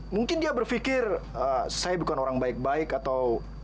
mungkin dia berpikir saya bukan orang baik baik atau